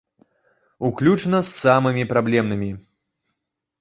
Уключна з самымі праблемнымі.